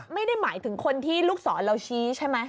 ไม่ได้หมายถึงคนที่ลูกศรเราชี้ใช่ไหม